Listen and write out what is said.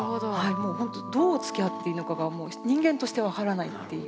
もうほんとどうつきあっていいのかが人間として分からないっていう。